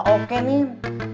saya sudah oke nin